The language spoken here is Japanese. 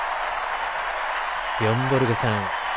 ビヨン・ボルグさん。